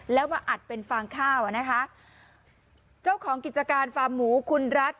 แล้วมาอัดเป็นฟางข้าวอ่ะนะคะเจ้าของกิจการฟาร์มหมูคุณรัฐ